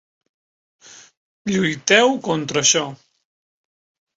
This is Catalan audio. Lluiteu contra això.